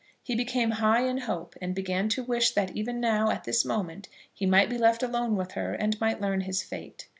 He became high in hope, and began to wish that even now, at this moment, he might be left alone with her and might learn his fate.